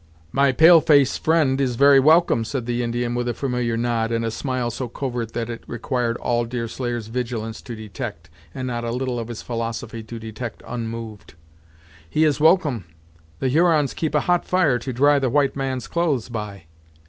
"My pale face friend is very welcome," said the Indian, with a familiar nod, and a smile so covert that it required all Deerslayer's vigilance to detect, and not a little of his philosophy to detect unmoved; "he is welcome. The Hurons keep a hot fire to dry the white man's clothes by."